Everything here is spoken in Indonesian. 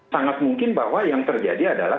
sangat mungkin bahwa yang terjadi adalah